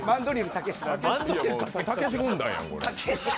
たけし軍団やん。